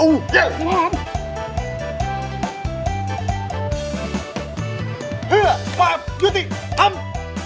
เพื่อฝากยุติอำ